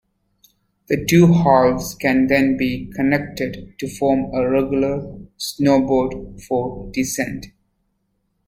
The two halves can then be connected to form a regular snowboard for descent.